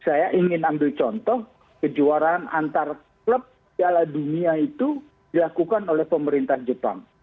saya ingin ambil contoh kejuaraan antar klub piala dunia itu dilakukan oleh pemerintah jepang